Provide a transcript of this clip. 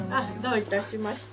どういたしまして。